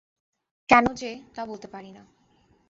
কেন যে, তা বলিতে পারি না।